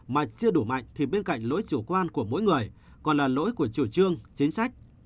mà chưa đủ mạnh thì bên cạnh lỗi chủ quan của mỗi người còn là lỗi của chủ trương chính sách